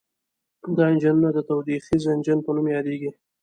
دا انجنونه د تودوخیز انجن په نوم یادیږي.